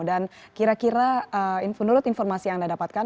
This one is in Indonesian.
dan kira kira menurut informasi yang anda dapatkan